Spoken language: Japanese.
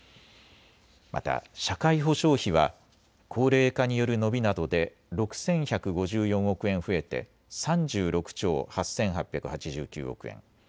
また社会保障費は高齢化による伸びなどで６１５４億円増えて３６兆８８８９億円。